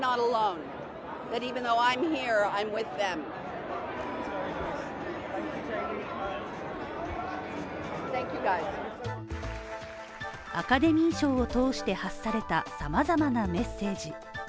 アカデミー賞を通して発された様々なメッセージ。